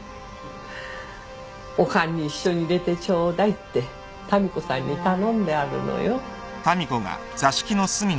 お棺に一緒に入れてちょうだいって民子さんに頼んであるのよ。